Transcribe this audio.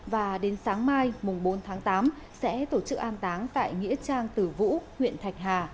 và đến sáng mai bốn tháng tám sẽ tổ chức an táng tại nghĩa trang tử vũ huyện thạch hà